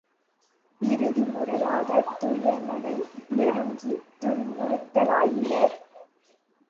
இறுதி முறையாக உதயணனை நெருங்கித் துன்புறுத்தலாயினர்.